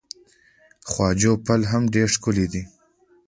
خواجو پل هم ډیر ښکلی دی.